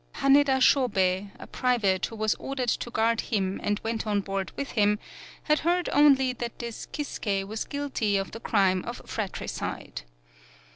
Haneda Shobei, a private, who was ordered to guard him and went on board with him, had heard only that this Kisuke was guilty of the crime of frat ricide.